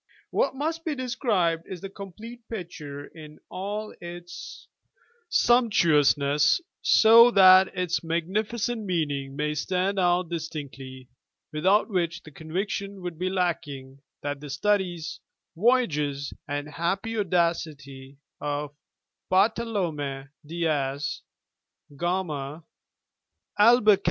What must be described is the complete picture in all its sumptuousness so that its magnificent meaning may stand out distinctly, without which the conviction would be lacking that the studies, voyages, and happy audacity of Bartolome Diaz, Gama, International Literary Contest.